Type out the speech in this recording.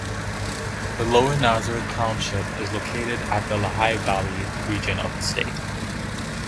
Lower Nazareth Township is located in the Lehigh Valley region of the state.